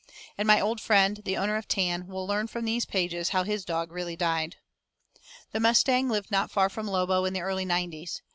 And my old friend, the owner of Tan, will learn from these pages how his dog really died. The Mustang lived not far from Lobo in the early nineties.